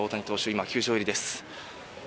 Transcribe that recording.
今、球場入りです。